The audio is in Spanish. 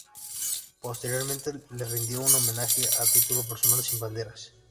Posteriormente le rindió un homenaje a título personal, sin banderas.